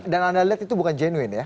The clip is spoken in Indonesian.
dan anda lihat itu bukan genuin ya